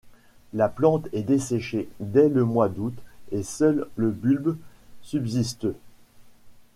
La plante est desséchée dès le mois d'août et seul le bulbe subsiste.